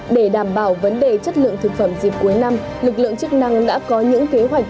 để đảm bảo vấn đề chất lượng thực phẩm dịp cuối năm lực lượng chức năng đã có những kế hoạch